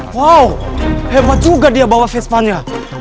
wow hebat juga dia bawa vespa nya